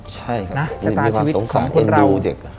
ใช่มีความสงสารของคนดูเด็ก